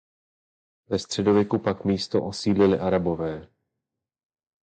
Ve středověku pak místo osídlili Arabové.